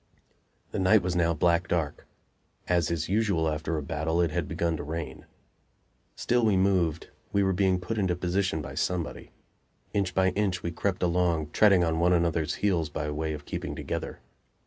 The night was now black dark; as is usual after a battle, it had begun to rain. Still we moved; we were being put into position by somebody. Inch by inch we crept along, treading on one another's heels by way of keeping together.